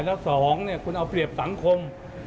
แล้ว๒คุณเอาเปรียบสังคม